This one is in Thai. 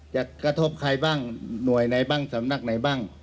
กระทบใครบ้างหน่วยไหนบ้างสำนักไหนบ้าง